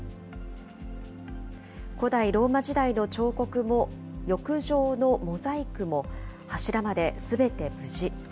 古代ローマ時代の彫刻も、浴場のモザイクも、柱まですべて無事。